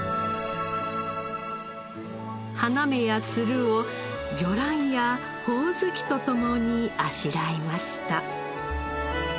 花芽やツルを魚卵やホオズキと共にあしらいました。